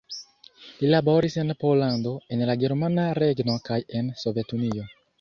Li laboris en Pollando, en la Germana Regno kaj en Sovetunio.